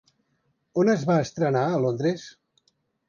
On es va estrenar a Londres?